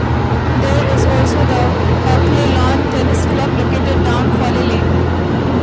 There is also the Hockley Lawn Tennis club, located down Folly Lane.